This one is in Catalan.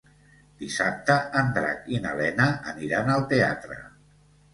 Dissabte en Drac i na Lena aniran al teatre.